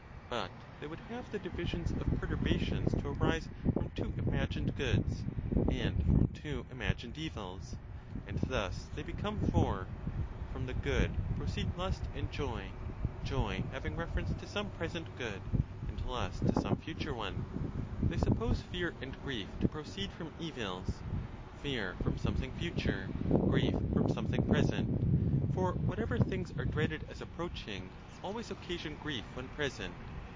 But they would have the divisions of perturbations to arise from two imagined goods, and from two imagined evils; and thus they become four: from the good proceed lust and joy—joy having reference to some present good, and lust to some future one. They suppose fear and grief to proceed from evils: fear from something future, grief from something present; for whatever things are dreaded as approaching always occasion grief when present.